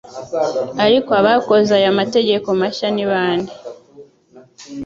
ariko abakoze aya mategeko mashya nibande